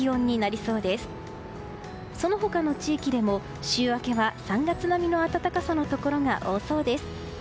その他の地域でも、週明けは３月並みの暖かさのところが多そうです。